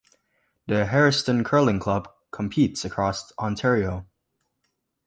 The Harriston Curling Club competes across Ontario.